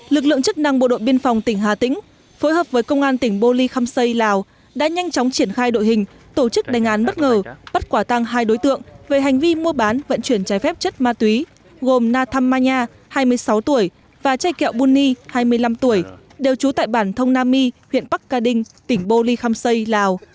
lực lượng chức năng bộ đội biên phòng tỉnh hà tĩnh phối hợp với công an tỉnh bô ly khăm xây lào đã nhanh chóng triển khai đội hình tổ chức đánh án bất ngờ bắt quả tăng hai đối tượng về hành vi mua bán vận chuyển trái phép chất ma túy gồm na tham ma nha hai mươi sáu tuổi và chai kẹo bunni hai mươi năm tuổi đều trú tại bản thông nam my huyện bắc ca đinh tỉnh bô ly khăm xây lào